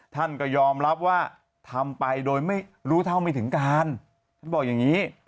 ท่านก็ยอมรับว่าทำไปโดยไม่รู้เท่าไม่ถึงการท่านบอกอย่างนี้